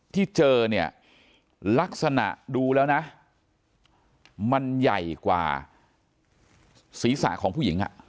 ที่เจอเนี่ยลักษณะดูแล้วนะมันใหญ่กว่าศีรษะของผู้หญิง